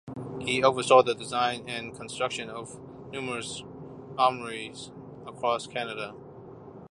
He oversaw the design and construction of numerous armouries across Canada.